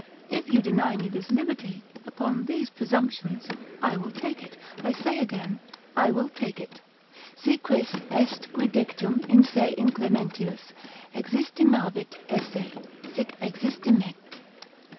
If you deny me this liberty, upon these presumptions I will take it: I say again, I will take it. Si quis est qui dictum in se inclementius Existimavit esse, sic existimet.